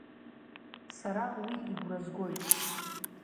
Сара уи игәра згоит.